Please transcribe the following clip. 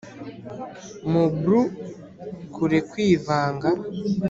mu blue kure kwivanga,